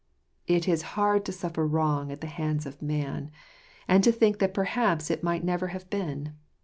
It is hard to suffer wrong at the hands of man, and to think that perhaps it might have never been.